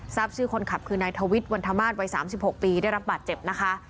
ทราบชื่อคนขับคือนายทวิทย์วันธมาสวัย๓๖ปีได้รับบาดเจ็บนะคะ